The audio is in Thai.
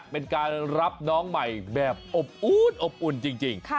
เป็นการรับน้องใหม่แบบอบอุ๋นจริง